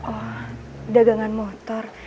oh dagangan motor